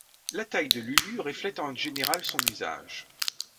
La taille de l'ulu reflète en général son usage.